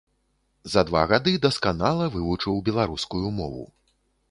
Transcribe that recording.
За два гады дасканала вывучыў беларускую мову.